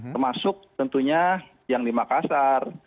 termasuk tentunya yang di makassar